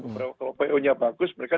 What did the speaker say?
kalau po nya bagus mereka